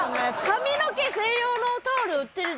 髪の毛専用のタオル売ってるじゃん。